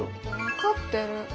分かってる。